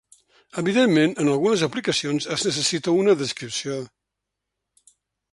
Evidentment, en algunes aplicacions es necessita una descripció.